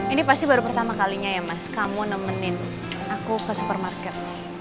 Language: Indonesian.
ini pasti baru pertama kalinya ya mas kamu nemenin aku ke supermarket